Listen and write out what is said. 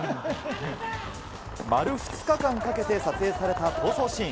丸２日間かけて撮影された逃走シーン。